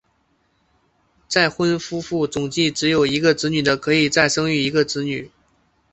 再婚夫妇总计只有一个子女的可以再生育一个子女。